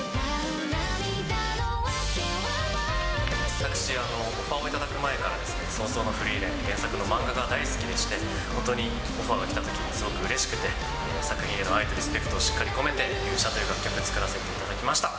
私、オファーを頂く前から、葬送のフリーレン、原作の漫画が大好きでして、本当にオファーが来たとき、すごくうれしくて、作品への愛とリスペクトをしっかり込めて、勇者という楽曲を作らせていただきました。